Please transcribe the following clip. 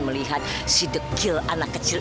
melihat si dekill anak kecil